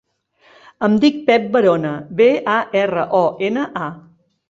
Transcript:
Em dic Pep Barona: be, a, erra, o, ena, a.